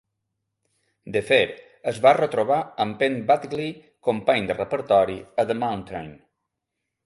DeFer es va retrobar amb Penn Badgley, company de repertori a "The mountain".